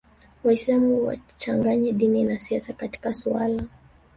Waislam wachanganye dini na siasa katika suala